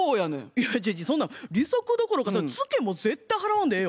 いやいやそんなん利息どころかツケも絶対払わんでええよ。